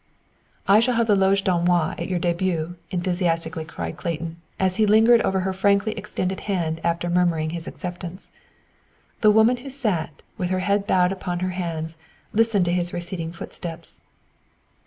"I shall have the loge d'honneur at your début," enthusiastically cried Clayton, as he lingered over her frankly extended hand after murmuring his acceptance. The woman who sat, with her head bowed upon her hands, listened to his receding footsteps.